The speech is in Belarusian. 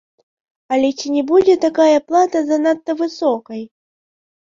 Але ці не будзе такая плата занадта высокай?